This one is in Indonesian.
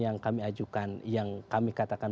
yang kami ajukan yang kami katakan